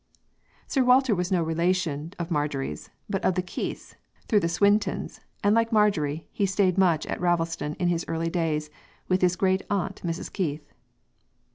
Sir Walter was no relation of Marjorie's, but of the Keiths, through the Swintons; and like Marjorie, he stayed much at Ravelstone in his early days, with his grand aunt Mrs. Keith....